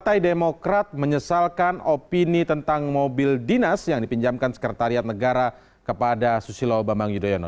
partai demokrat menyesalkan opini tentang mobil dinas yang dipinjamkan sekretariat negara kepada susilo bambang yudhoyono